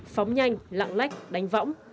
phóng nhanh lặng lách đánh võng